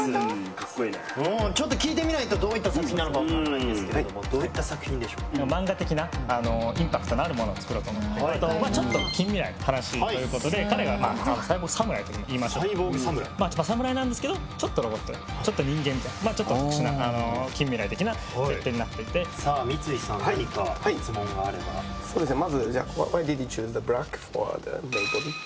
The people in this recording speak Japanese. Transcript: ・かっこいいね・聞いてみないとどういった作品なのかわかんないんですけどもどういった作品でしょうを作ろうと思ってちょっと近未来の話ということで彼がサイボーグ侍といいましょうか侍なんですけどちょっとロボットちょっと人間みたいなちょっと特殊な近未来的な設定になっていてさあ三井さん何か質問があればそうですね